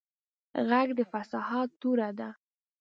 غږ د فصاحت توره ده